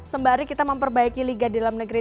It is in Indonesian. sembari kita memperbaiki liga di dalam negeri